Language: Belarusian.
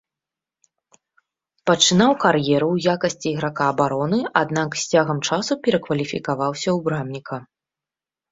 Пачынаў кар'еру ў якасці іграка абароны, аднак з цягам часу перакваліфікаваўся ў брамніка.